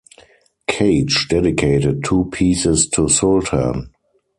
Cage dedicated two pieces to Sultan.